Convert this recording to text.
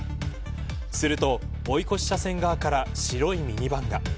すると、追い越し車線側から白いミニバンが。